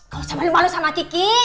kalau sama lembalu sama kiki